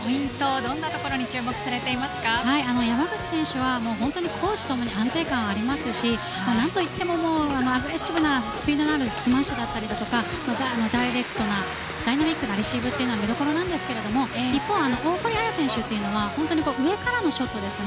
どんなところに山口選手は本当に攻守ともに安定感がありますし何といってもアグレッシブなスピードのあるスマッシュだったりだとかダイナミックなレシーブが見どころなんですが一方、大堀彩選手というのは上からのショットですね。